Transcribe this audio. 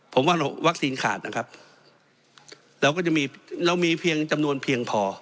ผมว่าวัคซีนขาดนะครับเรามีจำนวนเพียงพอ